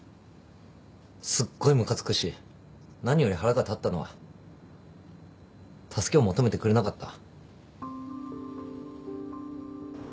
すっごいムカつくし何より腹が立ったのは助けを求めてくれなかった。